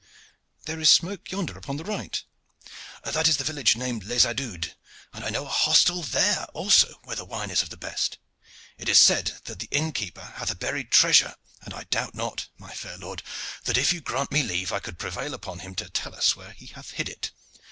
"There is smoke yonder upon the right." "That is a village named Les Aldudes, and I know a hostel there also where the wine is of the best. It is said that the inn keeper hath a buried treasure, and I doubt not, my fair lord, that if you grant me leave I could prevail upon him to tell us where he hath hid it."